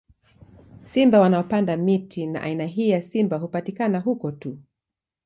Simba wanaopanda miti na aina hii ya simba hupatikana huko tu